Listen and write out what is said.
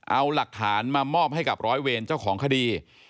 เอาหลักฐานมามอบให้กับร้อยเวรเจ้าของคดี